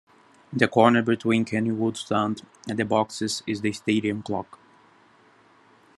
In the corner between the Kenilworth Stand and the boxes is the stadium clock.